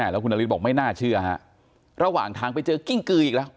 แล้วคุณนฤทธิบอกไม่น่าเชื่อฮะระหว่างทางไปเจอกิ้งกืออีกแล้ว